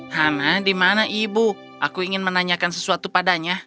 hana di mana ibu aku ingin menanyakan sesuatu padanya